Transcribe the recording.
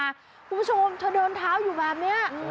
คุณผู้ชมเธอเดินเท้าอยู่แบบนี้